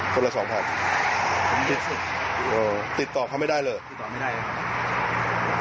คนละสองคนติดต่อเขาไม่ได้เลยติดต่อไม่ได้เลย